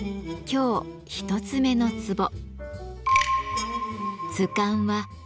今日一つ目のツボ